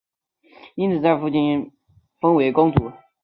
因此在父亲在位期间没有被册封为公主。